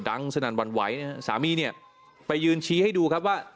ดังสนานวันไหวเนี่ยสามีเนี่ยไปยืนชี้ให้ดูครับว่า